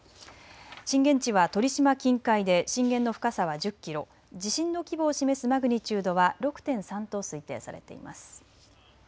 震源地は鳥島近海で震源の深さは１０キロ、地震の規模を示すマグニチュードは６．３と推定されいます。